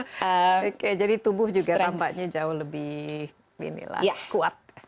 oke jadi tubuh juga tampaknya jauh lebih kuat